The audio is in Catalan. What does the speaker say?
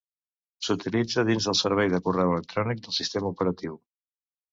S'utilitza dins del servei de correu electrònic del sistema operatiu.